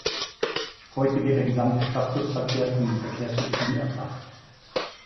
Heute wird der gesamte Stadtbusverkehr von den Verkehrsbetrieben erbracht.